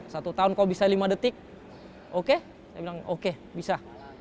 satu tahun kok bisa lima detik oke saya bilang oke bisa